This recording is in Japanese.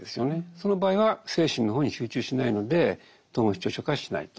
その場合は精神の方に集中してないので統合失調症化はしないと。